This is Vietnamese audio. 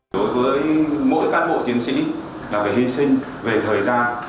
đối với mỗi cán bộ chiến sĩ là về hi sinh về thời gian